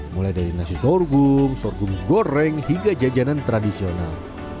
mulai dari nasi sorghum sorghum goreng hingga jajanan tradisional